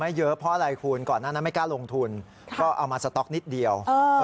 เยอะเพราะอะไรคุณก่อนหน้านั้นไม่กล้าลงทุนก็เอามาสต๊อกนิดเดียว